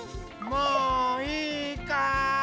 もういいかい？